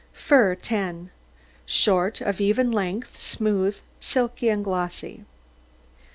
FUR 10 Short, of even length, smooth, silky, and glossy.